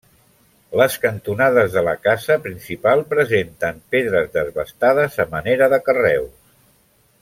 Les cantonades de la casa principal presenten pedres desbastades a manera de carreus.